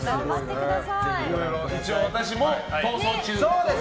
一応、私も「逃走中」。